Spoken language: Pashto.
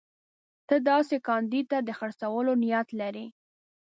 ده داسې کاندید ته د خرڅولو نیت لري.